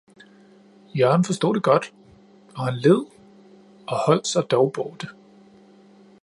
Jørgen forstod det godt, og han led, og holdt sig dog borte.